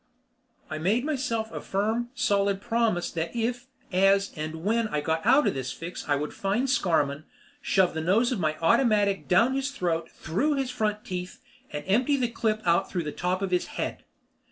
I made myself a firm, solid promise that if, as, and when I got out of this fix I would find Scarmann, shove the nose of my automatic down his throat through his front teeth and empty the clip out through the top of his head.